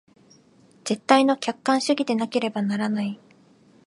絶対の客観主義でなければならない。